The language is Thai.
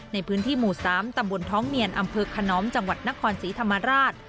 ในพื้นที่หมู่๓ตำบลท้องเนียนอำเภอขนอมจังหวัดนครศรีธรรมราช